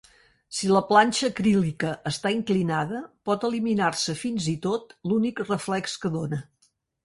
Si la planxa acrílica està inclinada, pot eliminar-se fins i tot l'únic reflex que dóna.